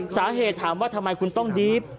สาเหตุถามว่าทำไมคุณต้องดรีฟ